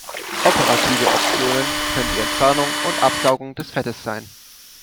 Operative Optionen können die Entfernung und Absaugung des Fettes sein.